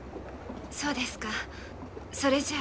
そうですかそれじゃあ。